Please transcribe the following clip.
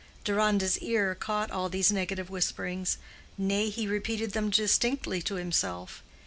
Deronda's ear caught all these negative whisperings; nay, he repeated them distinctly to himself.